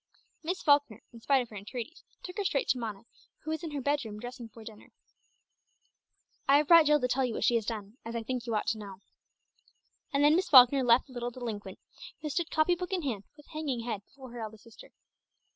Miss Falkner, in spite of her entreaties, took her straight to Mona, who was in her bedroom dressing for dinner. "I have brought Jill to tell you what she has done, as I think you ought to know." And then Miss Falkner left the little delinquent, who stood copy book in hand with hanging head before her eldest sister.